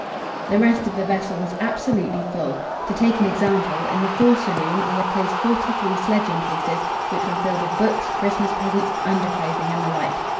The rest of the vessel was absolutely full. To take an example, in the fore saloon we had placed forty three sledging cases, which were filled with books, Christmas presents, underclothing, and the like.